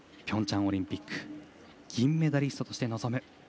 ピョンチャンオリンピック銀メダリストとして臨む